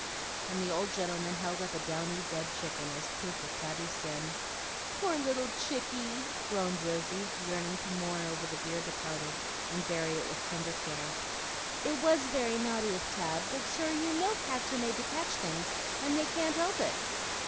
and the old gentleman held up a downy dead chicken, as proof of Tabby's sin. "Poor little chicky!" groaned Rosy, yearning to mourn over the dear departed and bury it with tender care. "It WAS very naughty of Tab; but, sir, you know cats are made to catch things, and they can't help it."